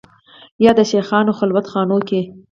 یا د شېخانو خلوت خانو کې